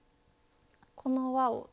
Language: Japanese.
この輪を。